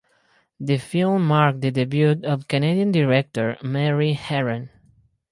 The film marked the debut of Canadian director Mary Harron.